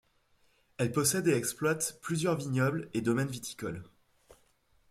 Elle possède et exploite plusieurs vignobles et domaines viticoles.